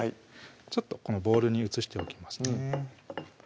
このボウルに移しておきますね